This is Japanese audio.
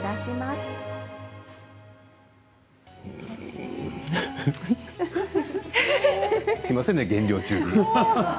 すいませんね減量中に。